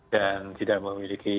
dan tidak memiliki